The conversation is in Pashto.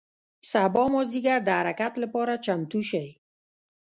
سبا مازدیګر د حرکت له پاره چمتو شئ.